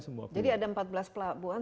semua jadi ada empat belas pelabuhan